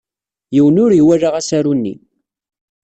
Yiwen ur iwala asaru-nni.